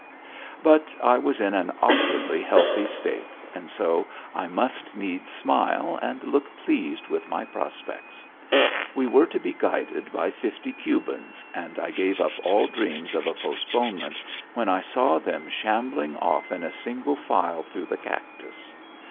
But I was in an awkwardly healthy state, and so I must needs smile and look pleased with my prospects. We were to be guided by fifty Cubans, and I gave up all dreams of a postponement when I saw them shambling off in single file through the cactus.